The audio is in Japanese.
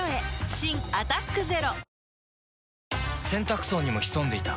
新「アタックＺＥＲＯ」洗濯槽にも潜んでいた。